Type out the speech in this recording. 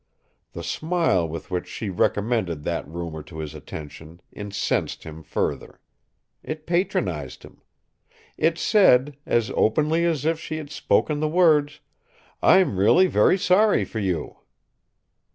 The smile with which she recommended that rumour to his attention incensed him further. It patronized him. It said, as openly as if she had spoken the words: "I'm really very sorry for you."